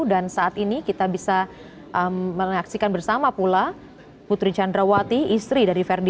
dan saat ini kita bisa melaksikan bersama pula putri chandrawati istri dari ferdi